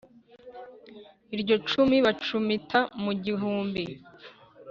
Iryo cumu bacumita mu gihumbi